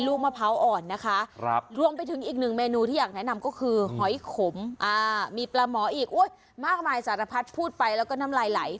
อย่างแนะนำก็คือหอยขมอ่ามีปลาหมออีกอุ๊ยมากมายสารพัดพูดไปแล้วก็นำไหล่ไหล